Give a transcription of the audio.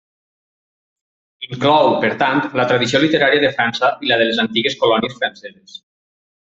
Inclou, per tant, la tradició literària de França i la de les antigues colònies franceses.